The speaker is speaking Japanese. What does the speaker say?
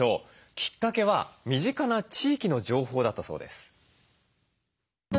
きっかけは身近な地域の情報だったそうです。